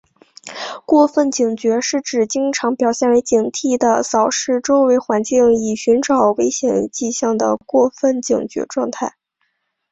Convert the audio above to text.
过度警觉是指经常表现为警惕地扫视周围环境以寻找危险迹象的过分警觉状态。